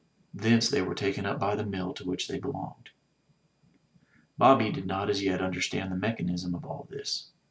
Thence they were taken up by the mill to which they belonged. Bobby did not as yet understand the mechanism of all this.